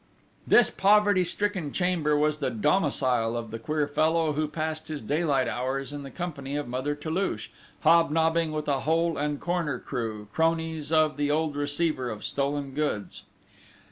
This poverty stricken chamber was the domicile of the queer fellow who passed his daylight hours in the company of Mother Toulouche, hobnobbing with a hole and corner crew, cronies of the old receiver of stolen goods.